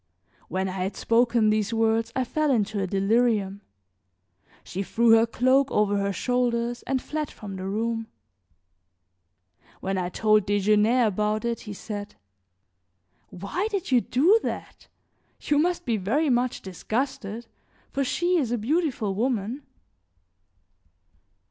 When I had spoken these words I fell into a delirium. She threw her cloak over her shoulders and fled from the room. When I told Desgenais about it he said: "Why did you do that? You must be very much disgusted, for she is a beautiful woman."